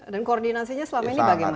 dan koordinasinya selama ini bagaimana